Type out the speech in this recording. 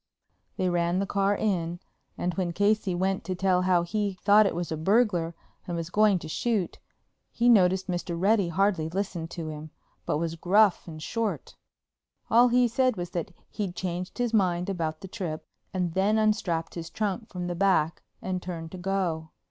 They ran the car in, and, when Casey went to tell how he thought it was a burglar and was going to shoot, he noticed that Mr. Reddy hardly listened to him, but was gruff and short. All he said was that he'd changed his mind about the trip, and then unstrapped his trunk from the back and turned to go.